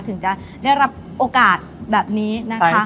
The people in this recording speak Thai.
ถึงจะได้รับโอกาสแบบนี้นะคะ